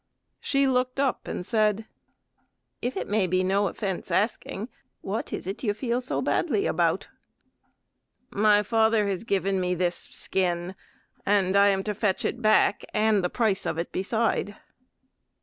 She looked up and said: "If it may be no offence asking, what is it you feel so badly about?" "My father has given me this skin, and I am to fetch it back and the price of it beside."